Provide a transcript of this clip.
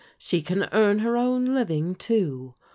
She can earn her own living, too.